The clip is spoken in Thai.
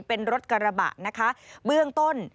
เป็นรถกระบะนะคะเบื้องต้น